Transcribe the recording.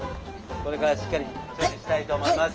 これからしっかり調理したいと思います。